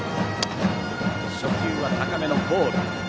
初球は高めのボール。